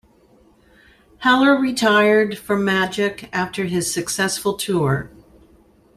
Heller retired from magic after his successful tour.